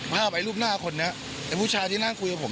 เอาไปรูปหน้าคนนี้ไอ้ผู้ชายที่นั่งคุยกับผม